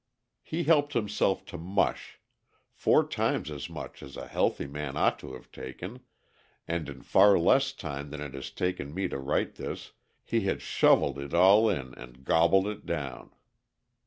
He helped himself to mush, four times as much as a healthy man ought to have taken, and in far less time than it has taken me to write this he had "shoveled" it all in and "gobbled" it down.